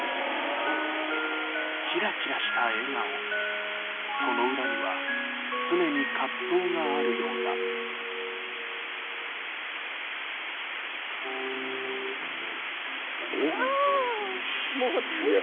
キラキラした笑顔その裏には常に葛藤があるようだ「元気を出して」